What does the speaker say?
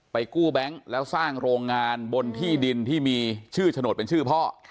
กู้แบงค์แล้วสร้างโรงงานบนที่ดินที่มีชื่อโฉนดเป็นชื่อพ่อ